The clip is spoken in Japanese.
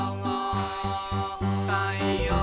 「たいおう」